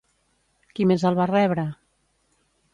Qui més el va rebre?